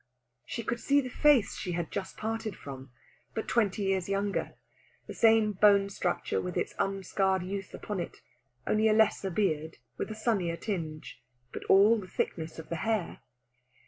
She could see the face she had just parted from, but twenty years younger the same bone structure with its unscarred youth upon it, only a lesser beard with a sunnier tinge, but all the thickness of the hair.